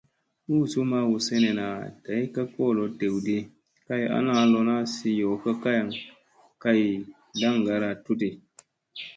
Uuzu ma huu sene day ka kolo dew ɗi, kay ana lona sii yoo ka kay ndaŋgara tu di.